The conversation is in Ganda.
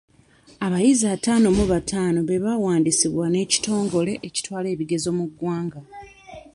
Abayizi attaano mu battaano be baawandiisibwa n'ekitongole ekitwala ebigezo mu ggwanga.